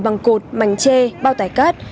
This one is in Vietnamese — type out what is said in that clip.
bằng cột mảnh tre bao tải cát